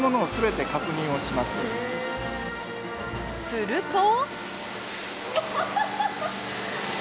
すると。